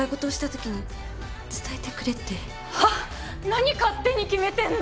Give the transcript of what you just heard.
何勝手に決めてんの！？